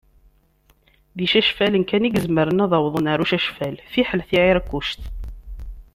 D icacfalen kan i izemren ad awḍen ar ucacfal, fiḥel tiεiṛkuct.